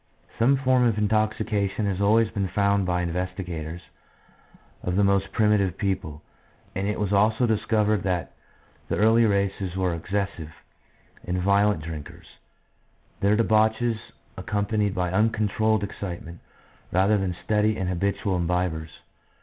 Some form of intoxication has always been found by the investigators of the most primitive people, and it was also discovered that the early races were ex cessive and violent drinkers, their debauches ac companied by uncontrolled excitement, rather than steady and habitual imbibers.